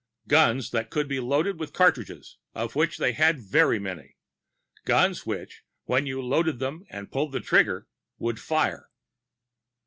Guns that could be loaded with cartridges, of which they had very many; guns which, when you loaded them and pulled the trigger, would fire.